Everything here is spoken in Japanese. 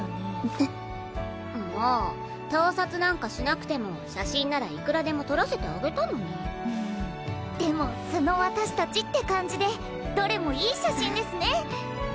うっもう盗撮なんかしなくても写真ならいくらでも撮らせてあげたのにでも素の私達って感じでどれもいい写真ですね